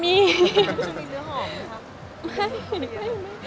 มีเนื้อหอมไหมครับ